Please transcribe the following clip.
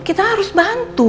kita harus bantu